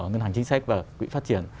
ngân hàng chính sách và quỹ phát triển